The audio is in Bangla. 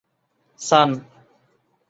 sun